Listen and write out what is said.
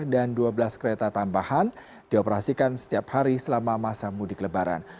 dan dua belas kereta tambahan dioperasikan setiap hari selama masa mudik lebaran